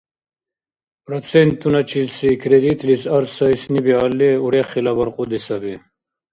Процентуначилси кредитлис арц сайсни биалли – урехила баркьуди саби.